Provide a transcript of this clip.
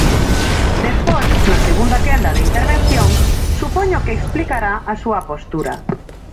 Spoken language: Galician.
Despois, na segunda quenda de intervencións supoño que explicará a súa postura.